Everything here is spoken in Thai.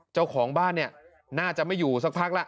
เจ้าของบ้านเนี่ยน่าจะไม่อยู่สักพักแล้ว